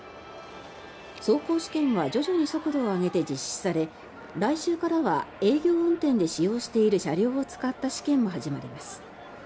走行試験は徐々に速度を上げて実施され来週からは営業運転で使用している車両を使った試験も始まります。